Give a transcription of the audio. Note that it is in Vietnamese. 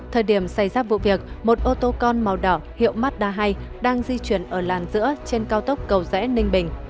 thời điểm xảy ra vụ việc một ô tô con màu đỏ hiệu mazda hai đang di chuyển ở làn giữa trên cao tốc cầu rẽ ninh bình